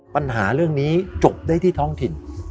ปัญหาเรื่องนี้จบได้ที่ท้องถิ่น